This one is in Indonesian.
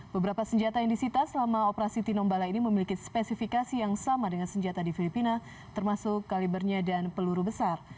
beberapa senjata yang disita selama operasi tinombala ini memiliki spesifikasi yang sama dengan senjata di filipina termasuk kalibernya dan peluru besar